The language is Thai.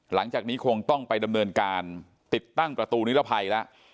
หลังจากนี้คงต้องไปดำเนินการติดตั้งประตูนิรภัยแล้ว